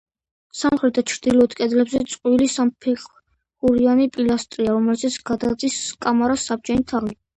სამხრეთ და ჩრდილოეთ კედლებზე წყვილი სამსაფეხურიანი პილასტრია, რომელზეც გადადის კამარის საბჯენი თაღი.